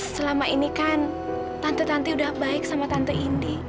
selama ini kan tante tanti udah baik sama tante indi